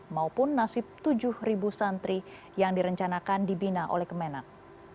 maupun nasib tujuh santri yang direncanakan dibina oleh kemenang